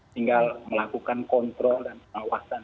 tinggal melakukan kontrol dan pengawasan